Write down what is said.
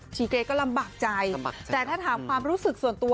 ีเกย์ก็ลำบากใจแต่ถ้าถามความรู้สึกส่วนตัว